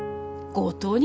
五島に？